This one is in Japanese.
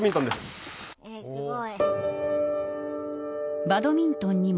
えっすごい。